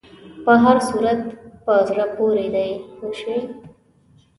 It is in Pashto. په هر صورت په زړه پورې دی پوه شوې!.